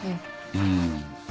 うん。